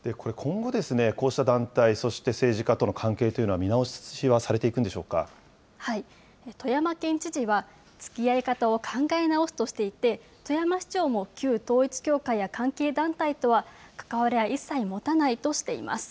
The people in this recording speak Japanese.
これ、今後、こうした団体、そして政治家との関係というのは富山県知事はつきあい方を考え直すとしていて、富山市長も旧統一教会や関係団体とは関わりは一切持たないとしています。